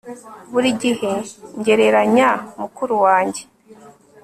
Buri gihe ngereranya mukuru wanjye